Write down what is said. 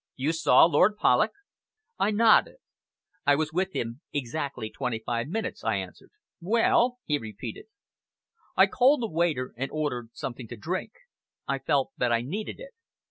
"You saw Lord Polloch?" I nodded. "I was with him exactly twenty five minutes," I answered. "Well?" he repeated. I called a waiter and ordered something to drink. I felt that I needed it.